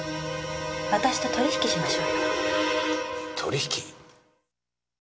私と取引しましょうよ。